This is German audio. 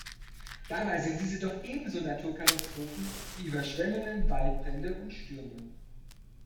Dabei sind diese doch ebenso Naturkatastrophen wie Überschwemmungen, Waldbrände und Stürme.